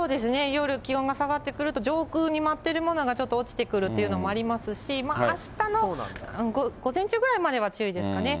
夜、気温が下がってくると、上空に舞ってるものがちょっと落ちてくるというのもありますし、あしたの午前中ぐらいまでは注意ですかね。